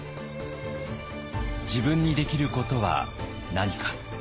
自分にできることは何か。